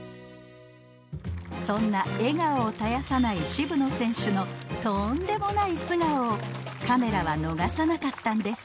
そんな笑顔を絶やさない渋野選手のとんでもない素顔をカメラは逃さなかったんです